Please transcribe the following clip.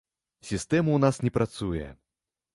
Сістэма ў нас не працуе.